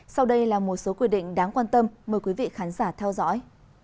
sau đây là một số quy định đáng quan tâm mời quý vị khán giả theo dõi